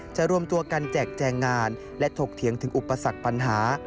รวมตัวกันแจกแจงงานและถกเถียงถึงอุปสรรคปัญหา